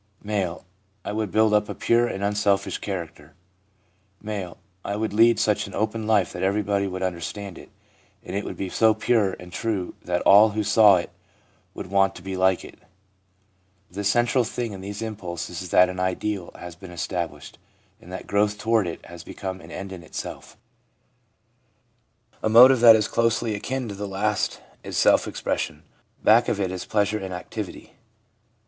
M. ' I would build up a pure and unselfish character/ M. * I would lead such an open life that everybody would understand it, and it would be so pure and true that all who saw it would want to be like it/ The central thing in these impulses is that an ideal has been established, and that growth toward it has become an end in itself. A motive that is closely akin to the last is self expression. Back of it is pleasure in activity.